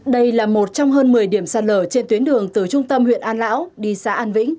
đây là một trong hơn một mươi điểm sạt lở trên tuyến đường từ trung tâm huyện an lão đi xã an vĩnh